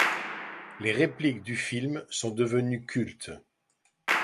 Les répliques du film sont devenues cultes.